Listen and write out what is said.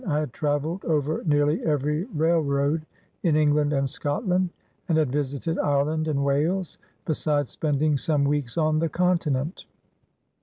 I had travelled over nearly every railroad in England and Scotland, and had visited Ireland and Wales, besides spending some weeks on the Continent.